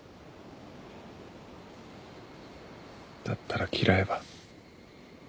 だったら嫌えば？